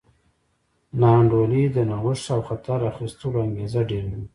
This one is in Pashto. ناانډولي د نوښت او خطر اخیستلو انګېزه ډېروي.